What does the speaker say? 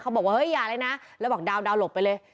บอกว่าเฮ้ยอย่าเลยนะแล้วบอกดาวหลบไปเลย